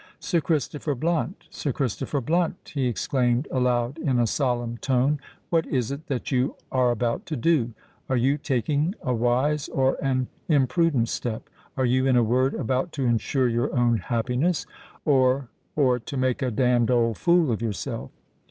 "Sir Christopher Blunt—Sir Christopher Blunt," he exclaimed aloud, in a solemn tone, "what is it that you are about to do? Are you taking a wise, or an imprudent step? Are you, in a word, about to ensure your own happiness, or—or—to make a damned old fool of yourself?"